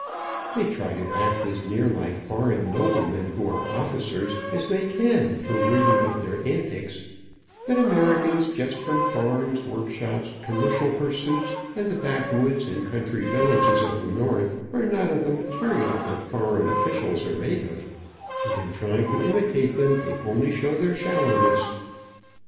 They try to act as near like foreign noblemen who are officers, as they can, from reading of their antics, but Americans just from farms, workshops, commercial pursuits, and the back woods and country villages of the north, are not of the material that foreign officials are made of, and in trying to imitate them they only show their shallowness.